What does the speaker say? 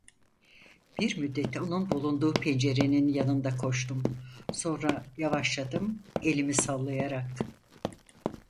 Bir müddet onun bulunduğu pencerenin yanında koştum, sonra yavaşladım, elimi sallayarak.